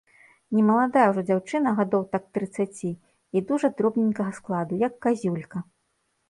Немаладая ўжо дзяўчына, гадоў так трыццаці, і дужа дробненькага складу, як казюлька.